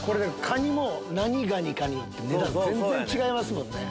カニも何ガニかによって値段全然違いますもんね。